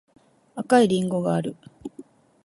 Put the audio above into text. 赤いりんごがある